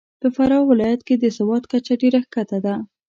په فراه ولایت کې د سواد کچه ډېره کښته ده .